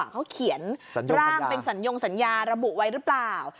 เขาเขียนร่างเป็นสัญญงสัญญาระบุไว้หรือเปล่า